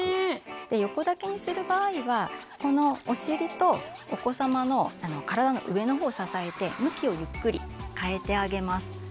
横抱きにする場合はこのお尻とお子様の体の上の方を支えて向きをゆっくり変えてあげます。